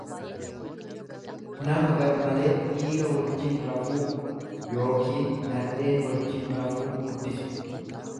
nama gar malee dhiira wajjin rafuu yookiinn nadheen wajjin rafuu guddisu.